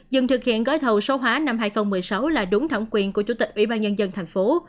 dừng thực hiện gói thầu số hóa năm hai nghìn một mươi sáu là đúng thẩm quyền của chủ tịch ủy ban nhân dân thành phố